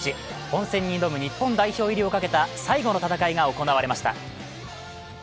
本戦に挑む日本代表入りをかけた最後の戦いが行われました。